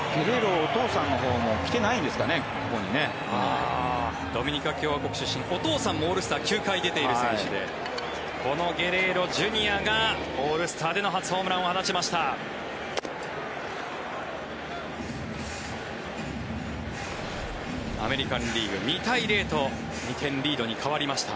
お父さんもオールスター９回出ている選手でこのゲレーロＪｒ．がオールスターでの初ホームランを放ちました。